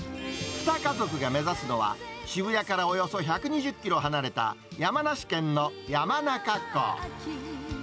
２家族が目指すのは、渋谷からおよそ１２０キロ離れた山梨県の山中湖。